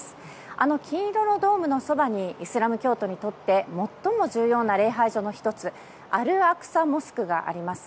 あの金色のドームのそばにイスラム教徒にとって最も重要な礼拝所の１つアルアクサ・モスクがあります。